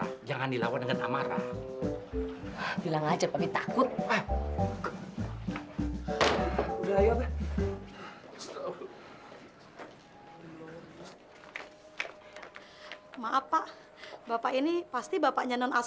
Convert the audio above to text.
kondisi tuan kevin belum pulih benar